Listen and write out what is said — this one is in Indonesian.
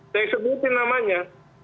saya sebutin namanya